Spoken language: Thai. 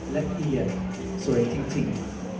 และเอียดสวยจริงจริง